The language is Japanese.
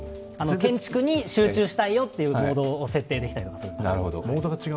建築に集中したいよというモードを設定できたりもする。